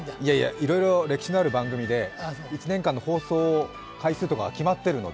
いろいろ歴史のある番組で１年間の放送回数とかが決まってるので。